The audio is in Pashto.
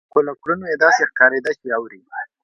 خو له کړنو يې داسې ښکارېده چې اوري.